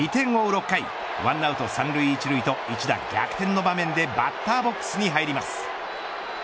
６回１アウト３塁１塁と一打逆転の場面でバッターボックスに入ります。